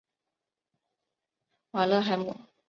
瓦勒海姆。